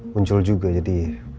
muncul juga jadi